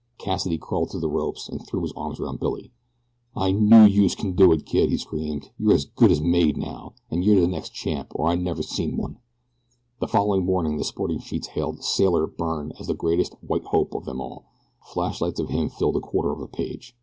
Cassidy crawled through the ropes and threw his arms around Billy. "I knew youse could do it, kid!" he screamed. "You're as good as made now, an' you're de next champ, or I never seen one." The following morning the sporting sheets hailed "Sailor" Byrne as the greatest "white hope" of them all. Flashlights of him filled a quarter of a page.